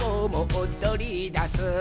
おどりだす」